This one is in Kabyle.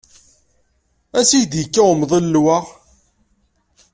Ansi k-d-yekka umḍelliw-a?